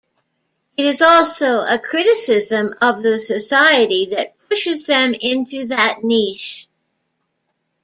It is also a criticism of the society that pushes them into that niche.